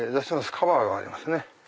カバーがありますね。